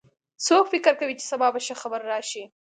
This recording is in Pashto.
څوک فکر کوي چې سبا به ښه خبر راشي